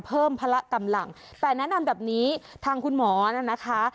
พละกำลังแต่แนะนำแบบนี้ทางคุณหมอน่ะนะคะ